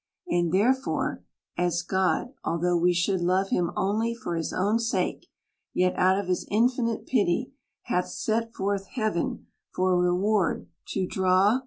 And therefore as God, although we should love him only for his own sake, yet out of his infinite pity hath set forth heaven for a reward to draw THE COUNTRY PARSON.